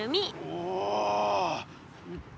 お。